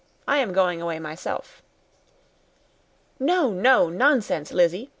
I am going away myself." "No, no, nonsense, Lizzy.